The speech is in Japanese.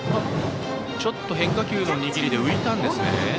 ちょっと変化球の握りで浮いたんですね。